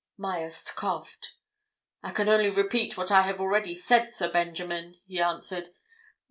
Myerst coughed. "I can only repeat what I have already said, Sir Benjamin," he answered.